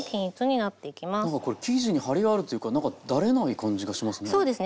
なんかこれ生地にハリがあるというかなんかだれない感じがしますね。